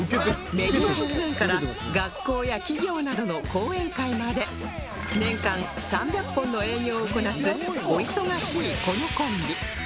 メディア出演から学校や企業などの講演会まで年間３００本の営業をこなすお忙しいこのコンビ